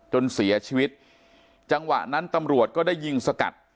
จนเสียชีวิตจังหวะนั้นตำรวจก็ได้ยิงสกัด